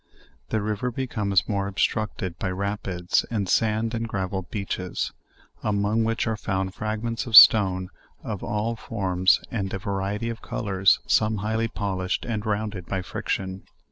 The river becomes more obstructed by rapids and sand and gravel beaches; among which are found fragments of stone of all forms, and a variety of colors, some highly polished and rounded by friction.